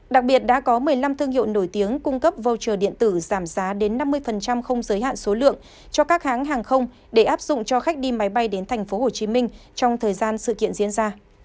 đặc biệt đã có một mươi năm thương hiệu nổi tiếng cung cấp voucher điện tử giảm giá đến năm mươi không giới hạn số lượng cho các hãng hàng không để áp dụng cho khách đi máy bay đến tp hcm trong thời gian sự kiện diễn ra